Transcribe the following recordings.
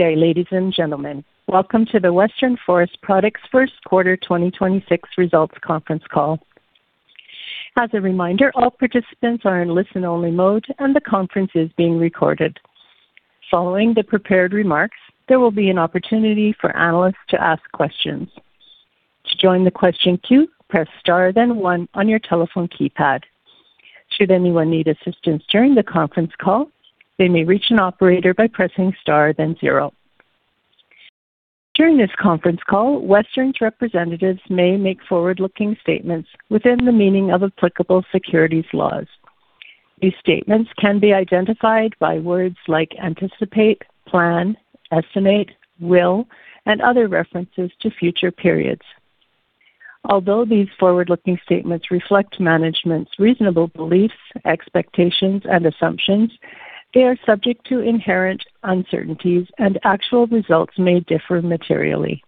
Good day, ladies and gentlemen. Welcome to the Western Forest Products first quarter 2026 results conference call. As a reminder, all participants are in listen-only mode, and the conference is being recorded. Following the prepared remarks, there will be an opportunity for analysts to ask questions. To join the question queue, press star one on your telephone keypad. Should anyone need assistance during the conference call, they may reach an operator by pressing star and zero. During this conference call, Western's representatives may make forward-looking statements within the meaning of applicable securities laws. These statements can be identified by words like anticipate, plan, estimate, will, and other references to future periods. Although these forward-looking statements reflect management's reasonable beliefs, expectations, and assumptions, they are subject to inherent uncertainties, and actual results may differ materially.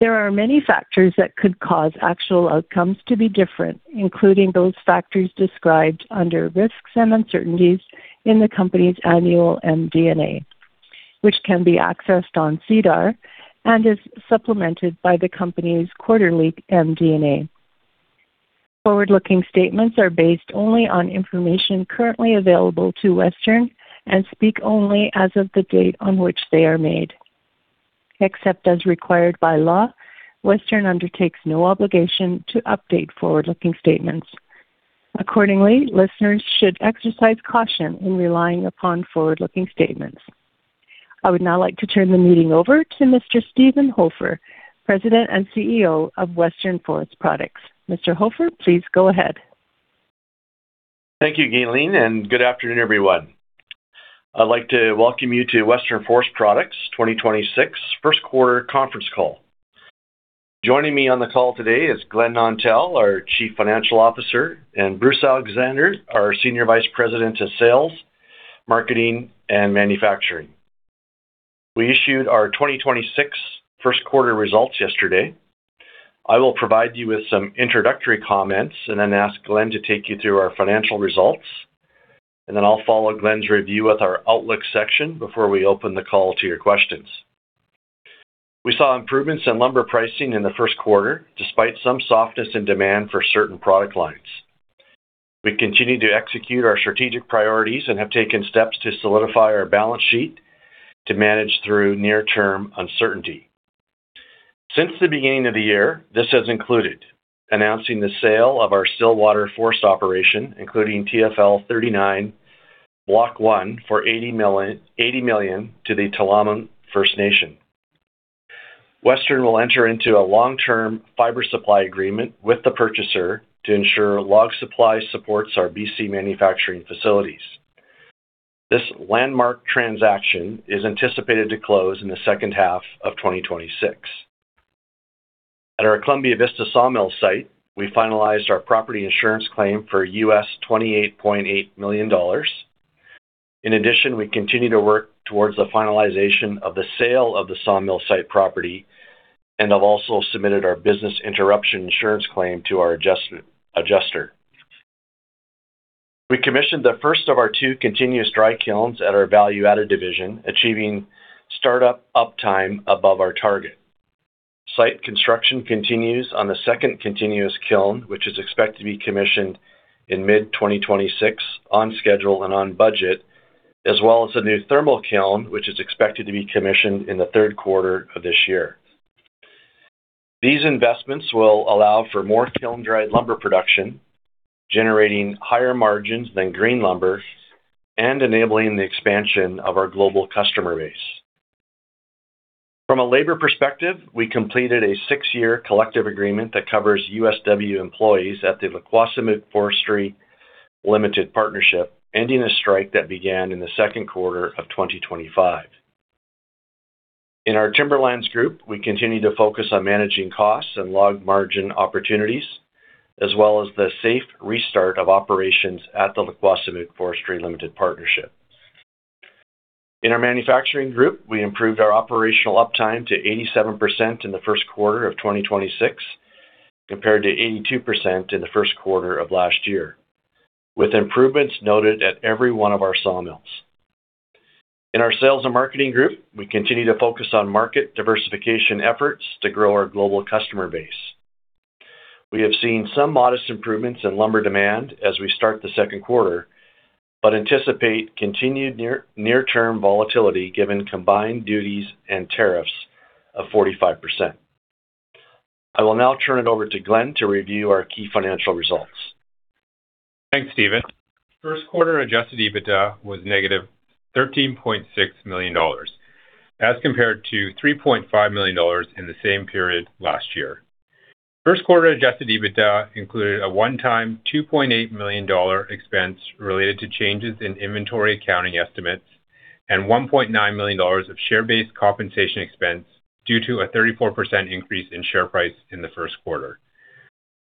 There are many factors that could cause actual outcomes to be different, including those factors described under risks and uncertainties in the company's annual MD&A, which can be accessed on SEDAR and is supplemented by the company's quarterly MD&A. Forward-looking statements are based only on information currently available to Western and speak only as of the date on which they are made. Except as required by law, Western undertakes no obligation to update forward-looking statements. Accordingly, listeners should exercise caution in relying upon forward-looking statements. I would now like to turn the meeting over to Mr. Steven Hofer, President and CEO of Western Forest Products. Mr. Hofer, please go ahead. Thank you, Gailine, and good afternoon, everyone. I'd like to welcome you to Western Forest Products 2026 first quarter conference call. Joining me on the call today is Glen Nontell, our Chief Financial Officer, and Bruce Alexander, our Senior Vice President of Sales, Marketing, and Manufacturing. We issued our 2026 first quarter results yesterday. I will provide you with some introductory comments and then ask Glen to take you through our financial results, and then I'll follow Glen's review with our outlook section before we open the call to your questions. We saw improvements in lumber pricing in the first quarter, despite some softness in demand for certain product lines. We continue to execute our strategic priorities and have taken steps to solidify our balance sheet to manage through near-term uncertainty. Since the beginning of the year, this has included announcing the sale of our Stillwater Forest Operation, including TFL 39, Block 1 for 80 million to the Tla'amin Nation. Western will enter into a long-term fiber supply agreement with the purchaser to ensure log supply supports our BC manufacturing facilities. This landmark transaction is anticipated to close in the second half of 2026. At our Columbia Vista sawmill site, we finalized our property insurance claim for $28.8 million. In addition, we continue to work towards the finalization of the sale of the sawmill site property and have also submitted our business interruption insurance claim to our adjuster. We commissioned the first of our two continuous dry kilns at our value-added division, achieving start-up uptime above our target. Site construction continues on the second continuous kiln, which is expected to be commissioned in mid-2026 on schedule and on budget, as well as a new thermal kiln, which is expected to be commissioned in the 3rd quarter of this year. These investments will allow for more kiln-dried lumber production, generating higher margins than green lumber and enabling the expansion of our global customer base. From a labor perspective, we completed a 6-year collective agreement that covers USW employees at the La-kwa sa muqw Forestry Limited Partnership, ending a strike that began in the second quarter of 2025. In our Timberlands group, we continue to focus on managing costs and log margin opportunities, as well as the safe restart of operations at the La-kwa sa muqw Forestry Limited Partnership. In our manufacturing group, we improved our operational uptime to 87% in the first quarter of 2026, compared to 82% in the first quarter of last year, with improvements noted at every one of our sawmills. In our sales and marketing group, we continue to focus on market diversification efforts to grow our global customer base. We have seen some modest improvements in lumber demand as we start the second quarter, but anticipate continued near-term volatility given combined duties and tariffs of 45%. I will now turn it over to Glen to review our key financial results. Thanks, Steven. First quarter adjusted EBITDA was negative 13.6 million dollars, as compared to 3.5 million dollars in the same period last year. First quarter adjusted EBITDA included a one-time 2.8 million dollar expense related to changes in inventory accounting estimates and 1.9 million dollars of share-based compensation expense due to a 34% increase in share price in the first quarter.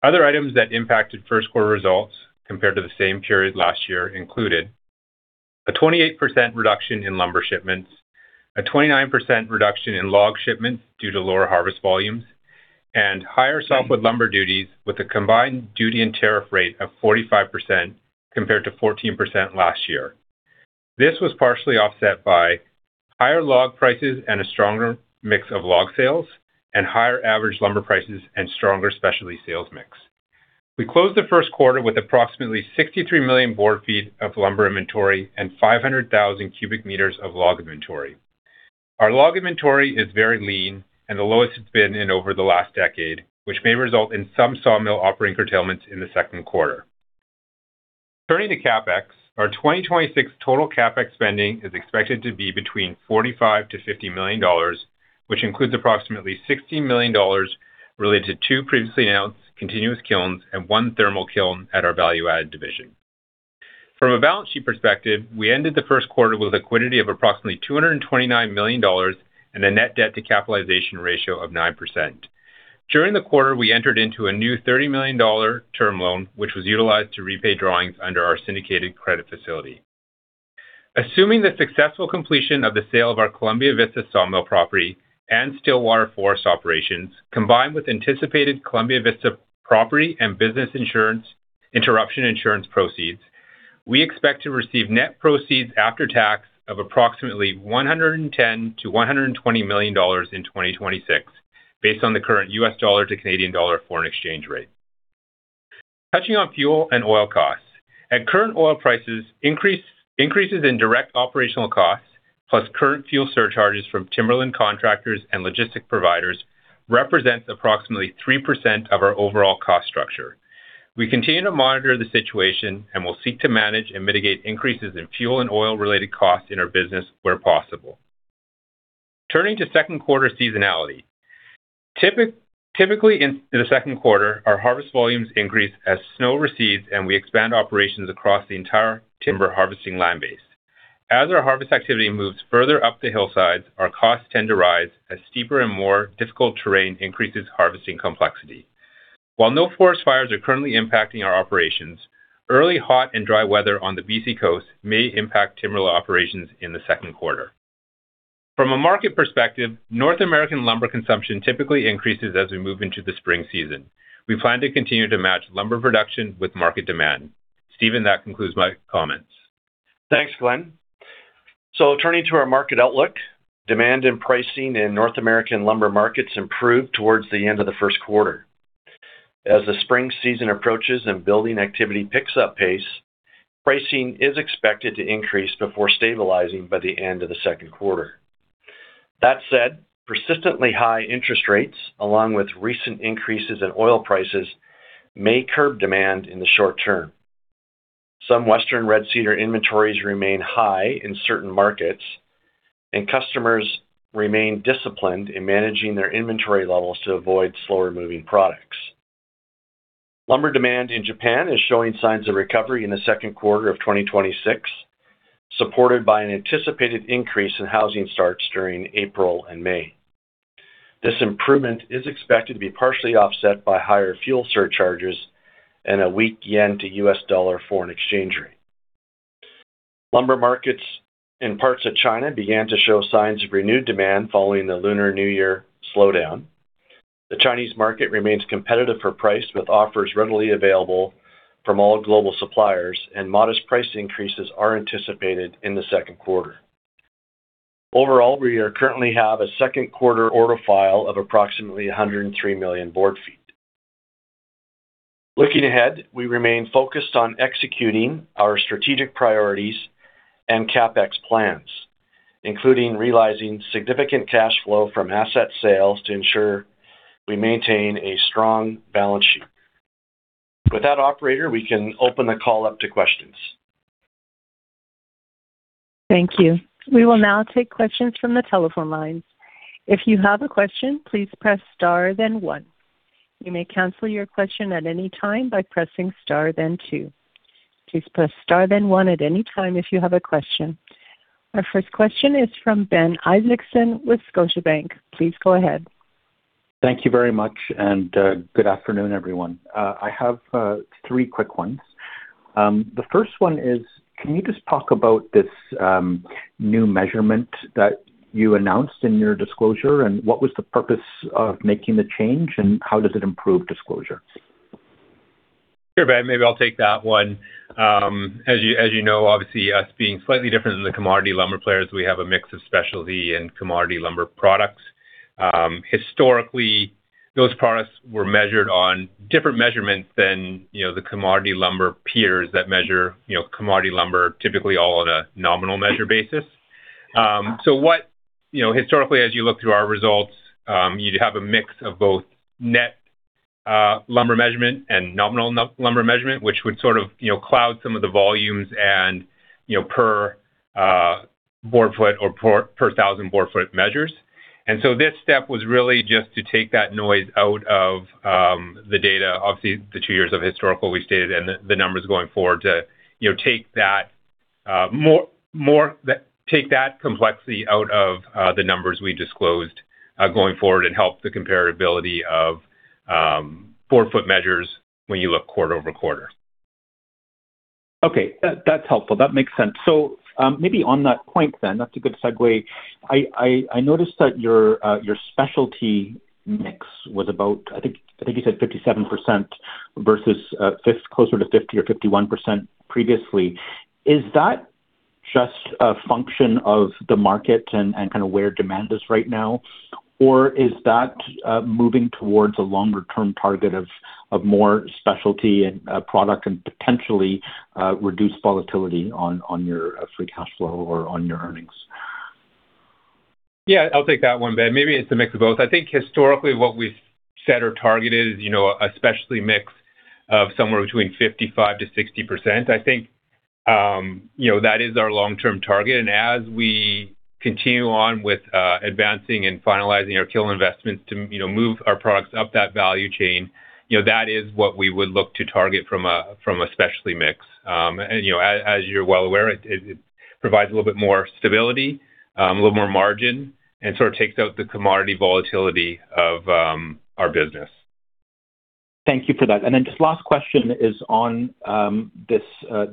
Other items that impacted first quarter results compared to the same period last year included: a 28% reduction in lumber shipments, a 29% reduction in log shipments due to lower harvest volumes, and higher softwood lumber duties with a combined duty and tariff rate of 45% compared to 14% last year. This was partially offset by higher log prices and a stronger mix of log sales and higher average lumber prices and stronger specialty sales mix. We closed the first quarter with approximately 63 million board feet of lumber inventory and 500,000 cubic meters of log inventory. Our log inventory is very lean and the lowest it's been in over the last decade, which may result in some sawmill operating curtailments in the second quarter. Turning to CapEx, our 2026 total CapEx spending is expected to be between 45 million and 50 million dollars, which includes approximately 60 million dollars related to two previously announced continuous kilns and 1 thermal kiln at our value-added division. From a balance sheet perspective, we ended the first quarter with liquidity of approximately 229 million dollars and a net debt to capitalization ratio of 9%. During the quarter, we entered into a new CAD 30 million term loan, which was utilized to repay drawings under our syndicated credit facility. Assuming the successful completion of the sale of our Columbia Vista sawmill property and Stillwater Forest Operation, combined with anticipated Columbia Vista property and business interruption insurance proceeds, we expect to receive net proceeds after tax of approximately 110 million-120 million dollars in 2026 based on the current U.S. dollar to Canadian dollar foreign exchange rate. Touching on fuel and oil costs. At current oil prices, increases in direct operational costs plus current fuel surcharges from timberland contractors and logistic providers represents approximately 3% of our overall cost structure. We continue to monitor the situation and will seek to manage and mitigate increases in fuel and oil-related costs in our business where possible. Turning to second quarter seasonality. Typically in the second quarter, our harvest volumes increase as snow recedes, we expand operations across the entire timber harvesting land base. As our harvest activity moves further up the hillsides, our costs tend to rise as steeper and more difficult terrain increases harvesting complexity. While no forest fires are currently impacting our operations, early hot and dry weather on the BC coast may impact timber operations in the second quarter. From a market perspective, North American lumber consumption typically increases as we move into the spring season. We plan to continue to match lumber production with market demand. Steven, that concludes my comments. Thanks, Glen. Turning to our market outlook, demand and pricing in North American lumber markets improved towards the end of the first quarter. As the spring season approaches and building activity picks up pace, pricing is expected to increase before stabilizing by the end of the second quarter. That said, persistently high interest rates, along with recent increases in oil prices, may curb demand in the short term. Some Western Red Cedar inventories remain high in certain markets, and customers remain disciplined in managing their inventory levels to avoid slower-moving products. Lumber demand in Japan is showing signs of recovery in the second quarter of 2026, supported by an anticipated increase in housing starts during April and May. This improvement is expected to be partially offset by higher fuel surcharges and a weak yen to US dollar foreign exchange rate. Lumber markets in parts of China began to show signs of renewed demand following the Lunar New Year slowdown. The Chinese market remains competitive for price, with offers readily available from all global suppliers, and modest price increases are anticipated in the second quarter. Overall, we currently have a second quarter order file of approximately 103 million board feet. Looking ahead, we remain focused on executing our strategic priorities and CapEx plans, including realizing significant cash flow from asset sales to ensure we maintain a strong balance sheet. With that, operator, we can open the call up to questions. Thank you. We will now take questions from the telephone lines. Our first question is from Ben Isaacson with Scotiabank. Please go ahead. Thank you very much, and good afternoon, everyone. I have three quick ones. The first one is, can you just talk about this new measurement that you announced in your disclosure, and what was the purpose of making the change, and how does it improve disclosure? Sure, Ben, maybe I'll take that one. As you know, obviously, us being slightly different than the commodity lumber players, we have a mix of specialty and commodity lumber products. Historically, those products were measured on different measurements than, you know, the commodity lumber peers that measure, you know, commodity lumber typically all on a nominal measure basis. You know, historically, as you look through our results, you'd have a mix of both net lumber measurement and nominal lumber measurement, which would sort of, you know, cloud some of the volumes and, you know, per board foot or per thousand board foot measures. This step was really just to take that noise out of the data. Obviously, the two years of historical we stated and the numbers going forward to, you know, take that complexity out of the numbers we disclosed going forward and help the comparability of board foot measures when you look quarter-over-quarter. Okay. That's helpful. That makes sense. Maybe on that point then, that's a good segue. I noticed that your specialty mix was about, I think you said 57% versus closer to 50% or 51% previously. Is that just a function of the market and kind of where demand is right now? Or is that moving towards a longer-term target of more specialty and product and potentially reduced volatility on your free cash flow or on your earnings? Yeah, I'll take that one, Ben. Maybe it's a mix of both. I think historically what we've said or targeted is, you know, a specialty mix of somewhere between 55%-60%. I think, you know, that is our long-term target. As we continue on with advancing and finalizing our kiln investments to, you know, move our products up that value chain, you know, that is what we would look to target from a specialty mix. You know, as you're well aware, it provides a little bit more stability, a little more margin, and sort of takes out the commodity volatility of our business. Thank you for that. Just last question is on this 3%.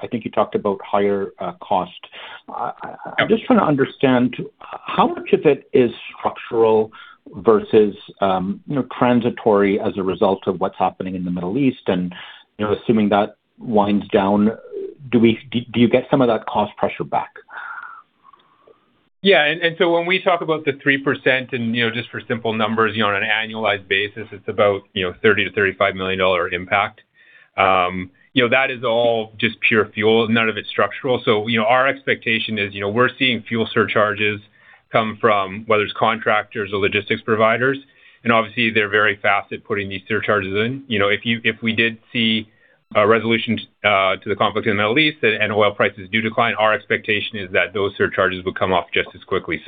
I think you talked about higher cost. I am just trying to understand how much of it is structural versus, you know, transitory as a result of what is happening in the Middle East and, you know, assuming that winds down, do we get some of that cost pressure back? Yeah. When we talk about the 3% and, you know, just for simple numbers, you know, on an annualized basis it's about, you know, 30 million-35 million dollar impact. You know, that is all just pure fuel. None of it's structural. You know, our expectation is, you know, we're seeing fuel surcharges come from whether it's contractors or logistics providers, and obviously they're very fast at putting these surcharges in. You know, if we did see a resolution to the conflict in the Middle East and oil prices do decline, our expectation is that those surcharges would come off just as quickly.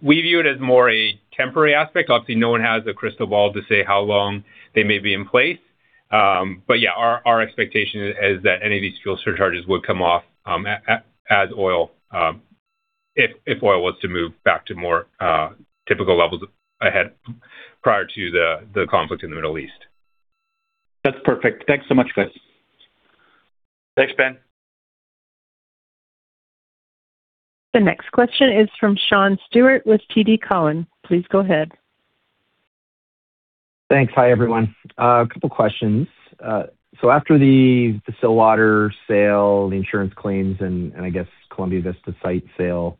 We view it as more a temporary aspect. Obviously, no one has a crystal ball to say how long they may be in place. Yeah, our expectation is that any of these fuel surcharges would come off, as oil, if oil was to move back to more typical levels ahead prior to the conflict in the Middle East. That's perfect. Thanks so much, guys. Thanks, Ben. The next question is from Sean Steuart with TD Cowen. Please go ahead. Thanks. Hi, everyone. A couple questions. After the Stillwater sale, the insurance claims, and I guess Columbia Vista site sale,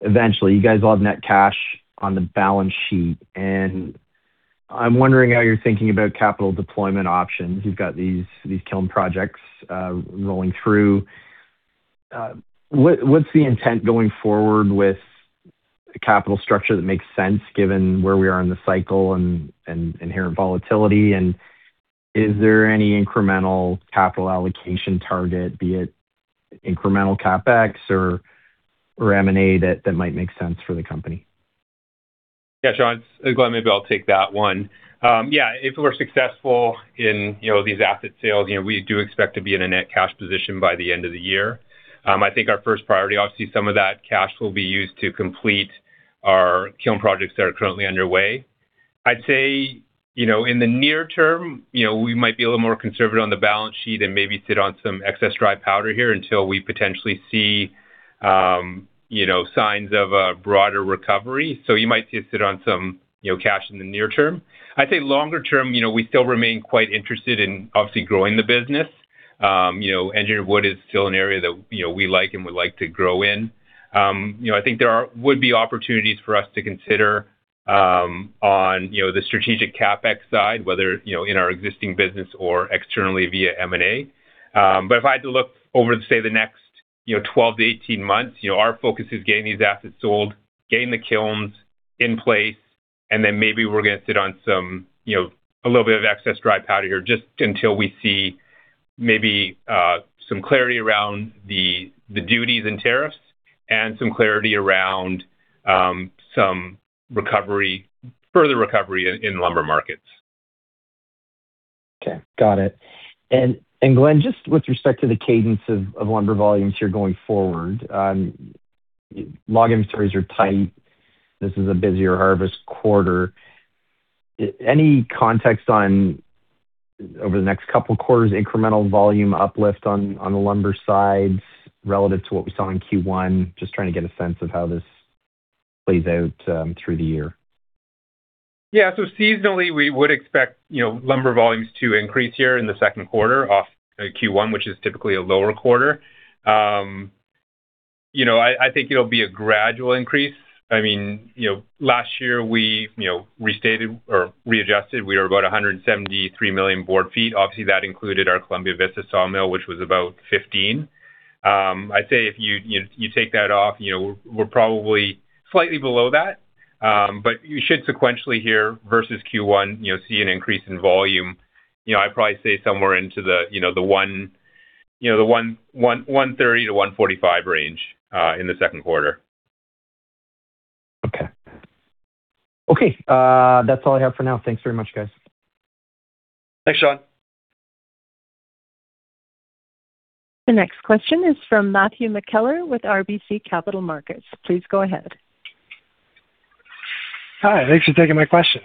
eventually you guys will have net cash on the balance sheet. I'm wondering how you're thinking about capital deployment options. You've got these kiln projects rolling through. What's the intent going forward with the capital structure that makes sense given where we are in the cycle and inherent volatility? Is there any incremental capital allocation target, be it incremental CapEx or M&A that might make sense for the company? Yeah, Sean. Glen, maybe I'll take that one. Yeah, if we're successful in, you know, these asset sales, you know, we do expect to be in a net cash position by the end of the year. I think our first priority, obviously some of that cash will be used to complete our kiln projects that are currently underway. I'd say, you know, in the near term, you know, we might be a little more conservative on the balance sheet and maybe sit on some excess dry powder here until we potentially see, you know, signs of a broader recovery. You might see us sit on some, you know, cash in the near term. I'd say longer term, you know, we still remain quite interested in obviously growing the business. You know, engineered wood is still an area that, you know, we like and would like to grow in. You know, I think there would be opportunities for us to consider, on, you know, the strategic CapEx side, whether, you know, in our existing business or externally via M&A. But if I had to look over, say, the next, you know, 12 to 18 months, you know, our focus is getting these assets sold, getting the kilns in place, and then maybe we're gonna sit on some, you know, a little bit of excess dry powder here just until we see maybe some clarity around the duties and tariffs and some clarity around some recovery, further recovery in lumber markets. Okay. Got it. Glen, just with respect to the cadence of lumber volumes here going forward, log inventories are tight. This is a busier harvest quarter. Any context on, over the next couple quarters, incremental volume uplift on the lumber side relative to what we saw in Q1? Just trying to get a sense of how this plays out through the year. Yeah. Seasonally, we would expect, you know, lumber volumes to increase here in the second quarter off Q1, which is typically a lower quarter. You know, I think it'll be a gradual increase. I mean, you know, last year we, you know, restated or readjusted, we were about 173 million board feet. Obviously, that included our Columbia Vista sawmill, which was about 15 million board feet. I'd say if you take that off, you know, we're probably slightly below that. You should sequentially here versus Q1, you know, see an increase in volume, you know, I'd probably say somewhere into the 130 million to 145 million range in the second quarter. Okay. Okay, that's all I have for now. Thanks very much, guys. Thanks, Sean. The next question is from Matthew McKellar with RBC Capital Markets. Please go ahead. Hi. Thanks for taking my questions.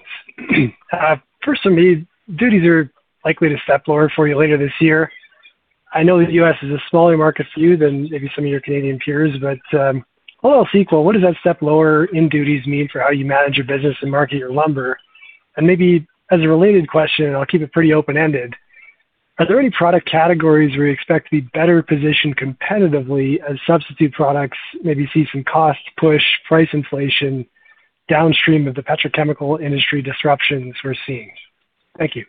First from me, duties are likely to step lower for you later this year. I know the U.S. is a smaller market for you than maybe some of your Canadian peers, but all else equal, what does that step lower in duties mean for how you manage your business and market your lumber? Maybe as a related question, and I'll keep it pretty open-ended, are there any product categories where you expect to be better positioned competitively as substitute products maybe see some cost push, price inflation downstream of the petrochemical industry disruptions we're seeing? Thank you.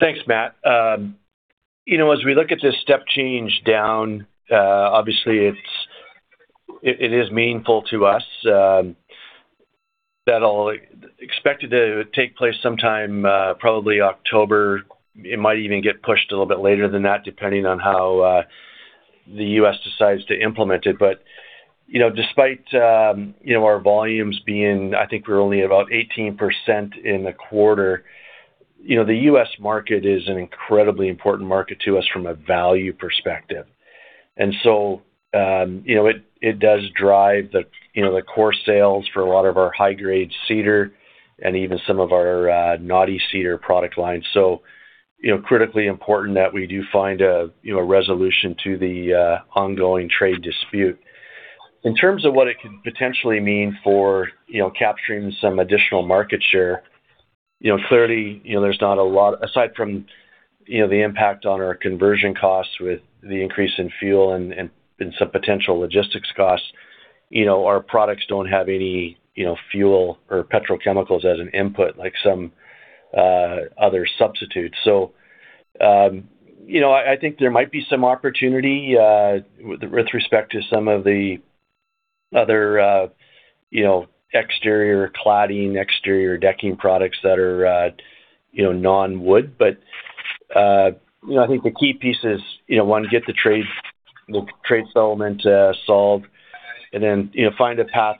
Thanks, Matt. You know, as we look at this step change down, obviously it is meaningful to us, that'll expected to take place sometime, probably October. It might even get pushed a little bit later than that, depending on how the U.S. decides to implement it. You know, despite, you know, our volumes being I think we're only about 18% in the quarter, you know, the U.S. market is an incredibly important market to us from a value perspective. You know it does drive the, you know, the core sales for a lot of our high-grade cedar and even some of our knotty cedar product lines. You know, critically important that we do find a, you know, a resolution to the ongoing trade dispute. In terms of what it can potentially mean for, you know, capturing some additional market share, you know, clearly, you know, there's not a lot Aside from, you know, the impact on our conversion costs with the increase in fuel and some potential logistics costs, you know, our products don't have any, you know, fuel or petrochemicals as an input like some other substitutes. You know, I think there might be some opportunity with respect to some of the other, you know, exterior cladding, exterior decking products that are, you know, non-wood. You know, I think the key piece is, you know, one, get the trade settlement solved, and then, you know, find a path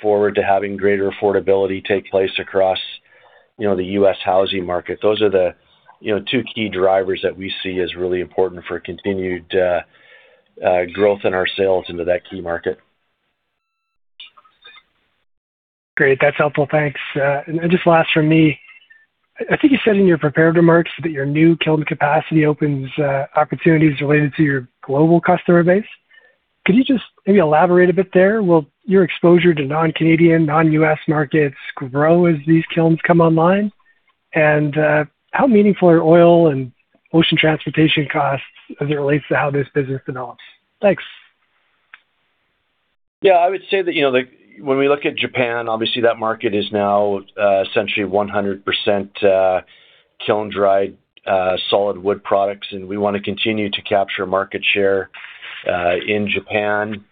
forward to having greater affordability take place across, you know, the U.S. housing market. Those are the, you know, two key drivers that we see as really important for continued growth in our sales into that key market. Great. That's helpful. Thanks. Just last from me, I think you said in your prepared remarks that your new kiln capacity opens opportunities related to your global customer base. Could you just maybe elaborate a bit there? Will your exposure to non-Canadian, non-U.S. markets grow as these kilns come online? How meaningful are oil and ocean transportation costs as it relates to how this business develops? Thanks. Yeah. I would say that, you know, like when we look at Japan, obviously that market is now essentially 100% kiln-dried solid wood products, we wanna continue to capture market share in Japan.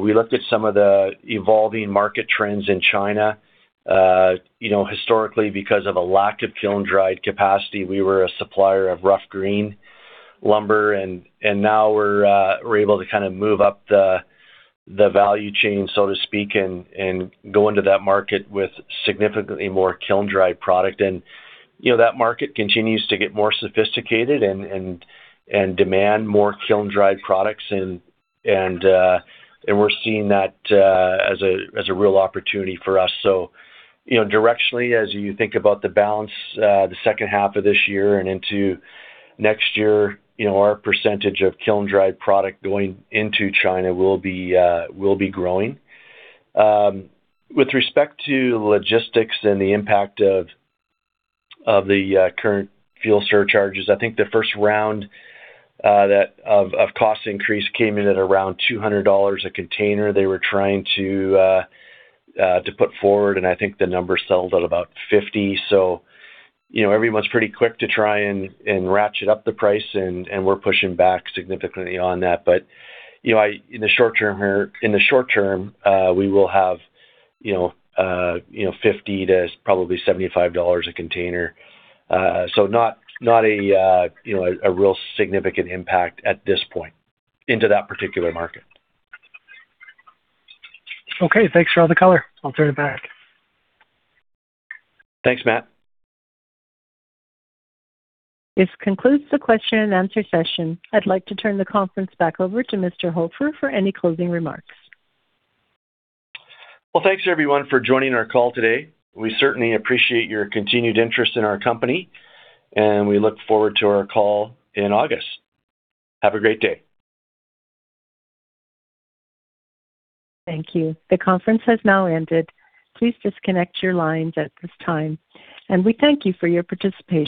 We looked at some of the evolving market trends in China. You know, historically, because of a lack of kiln-dried capacity, we were a supplier of rough green lumber, now we're able to kind of move up the value chain, so to speak, and go into that market with significantly more kiln-dried product. You know, that market continues to get more sophisticated and demand more kiln-dried products, and we're seeing that as a real opportunity for us. You know, directionally, as you think about the balance, the second half of this year and into next year, you know, our percentage of kiln-dried product going into China will be growing. With respect to logistics and the impact of the current fuel surcharges, I think the first round that of cost increase came in at around 200 dollars a container they were trying to put forward, and I think the number settled at about 50. You know, everyone's pretty quick to try and ratchet up the price, and we're pushing back significantly on that. You know, in the short term, we will have, you know, you know, 50 to probably 75 dollars a container. Not a, you know, a real significant impact at this point into that particular market. Okay. Thanks for all the color. I'll turn it back. Thanks, Matt. This concludes the question and answer session. I'd like to turn the conference back over to Mr. Hofer for any closing remarks. Well, thanks everyone for joining our call today. We certainly appreciate your continued interest in our company, and we look forward to our call in August. Have a great day. Thank you. The conference has now ended. Please disconnect your lines at this time, and we thank you for your participation.